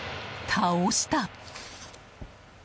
倒した！